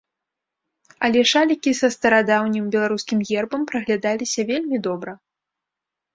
Але шалікі са старадаўнім беларускім гербам праглядаліся вельмі добра.